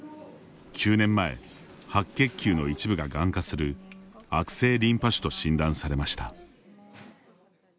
９年前白血球の一部が、がん化する悪性リンパ腫と診断されました。